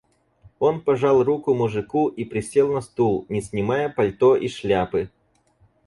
Он пожал руку мужику и присел на стул, не снимая пальто и шляпы.